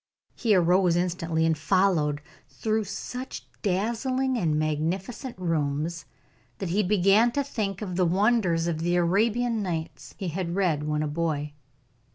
He arose instantly, and followed through such dazzling and magnificent rooms that he began to think of the wonders of the "Arabian Nights" he had read when a boy.